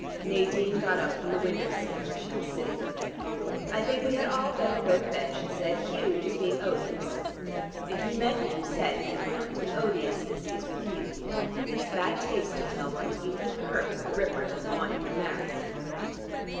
Nadine got up from the window seat where she was sitting with him. "I think we had all better go to bed," she said. "Hugh is being odious." "If you meant what you said," he remarked, "the odiousness is with you. It is bad taste to tell one that you feel hurt that the Ripper doesn't want you to marry him."